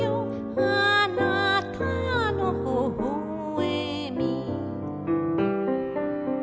「あなたのほほえみ」